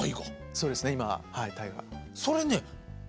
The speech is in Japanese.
そうですか。